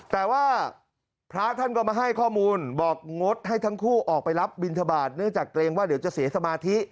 แต่ว่าพระท่านก็มาให้ข้อมูลบอกงดให้ทั้งคู่ออกไปรับบินทบาทเนื่องจากเกรงว่าเดี๋ยวจะเสียสมาธิ